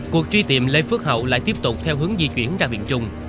cuộc truy tìm lê phước hậu lại tiếp tục theo hướng di chuyển ra miền trung